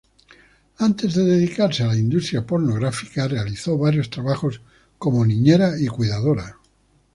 Antes de dedicarse a la industria pornográfica, realizó varios trabajos como niñera y cuidadora.